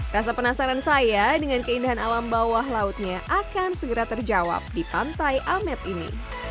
rasa penasaran saya dengan keindahan alam bawah lautnya akan segera terjawab di pantai amet ini